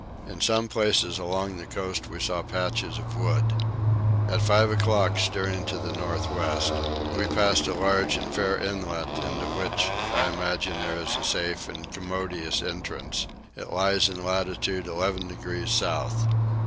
In some places along the coast we saw patches of wood. At five o'clock, steering to the north west, we passed a large and fair inlet into which I imagine there is a safe and commodious entrance; it lies in latitude 11 degrees south.